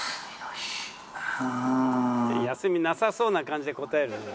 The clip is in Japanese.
休みなさそうな感じで答えるね。